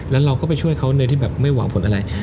แล้วเราก็ไปช่วยเขาโดยที่แบบไม่หวังผลอะไร